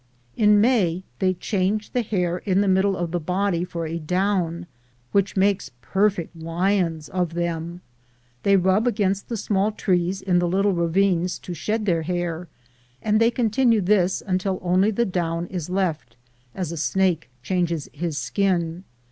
In May they change the hair in the middle of the body for a down, which makes perfect lions of them. They rub against the small trees in the little ravines to shed their hair, and they continue this until only the down is left, as a snake changes his skin.